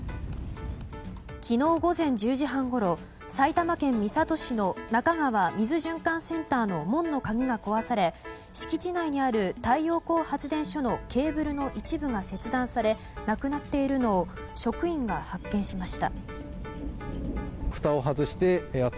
昨日午前１０時半ごろ埼玉県三郷市の中川水循環センターの門の鍵が壊され敷地内にある太陽光発電所のケーブルの一部が切断されなくなっているのを職員が発見しました。